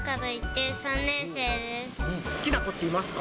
好きな子っていますか？